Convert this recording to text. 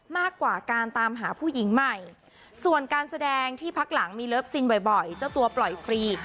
มากกว่าการตามหาผู้หญิงใหม่ส่วนการแสดงที่พักหลังมีเลิฟซินบ่อยเจ้าตัวปล่อยฟรี